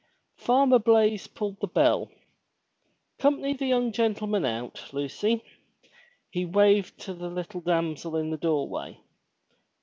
Farmer Blaize pulled the bell. " 'Comp'ny the young gentle man out, Lucy," he waved to the little damsel in the doorway.